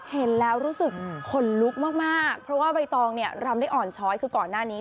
ให้กำลังกายกัน